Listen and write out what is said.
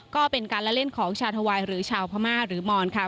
ก็เป็นการละเล่นของชาธวายหรือชาวพม่าหรือมอนค่ะ